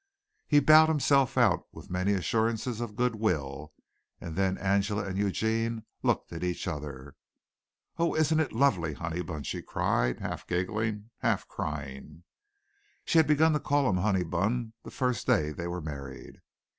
He bowed himself out with many assurances of good will, and then Angela and Eugene looked at each other. "Oh, isn't it lovely, Honeybun," she cried, half giggling, half crying. (She had begun to call him Honeybun the first day they were married.)